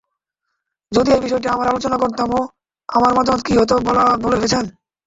যদি এই বিষয়টা আমরা আলোচনা করতামও, আমার মতামত কী হতো বলে ভেবেছেন?